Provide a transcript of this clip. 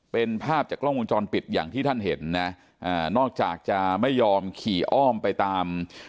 เป็นภาพจากกล้องวงจรปิดอย่างที่ท่านเห็นนะอ่านอกจากจะไม่ยอมขี่อ้อมไปตาม